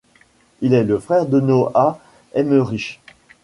Il est le frère de Noah Emmerich.